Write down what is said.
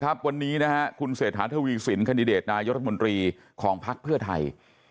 วันนี้คุณเสธาธวีสินคันดิเดตนายศมนตรีของภักดิ์เพื่อไทย